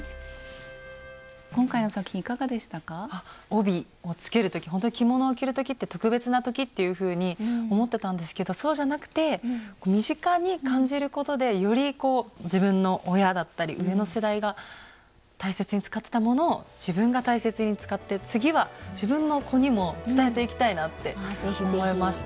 帯をつける時着物を着る時って特別な時っていうふうに思ってたんですけどそうじゃなくて身近に感じることでよりこう自分の親だったり上の世代が大切に使ってたものを自分が大切に使って次は自分の子にも伝えていきたいなって思いました。